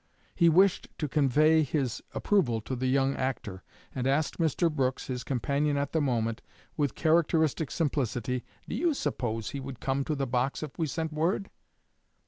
He wished to convey his approval to the young actor, and asked Mr. Brooks, his companion at the moment, with characteristic simplicity, "Do you suppose he would come to the box if we sent word?"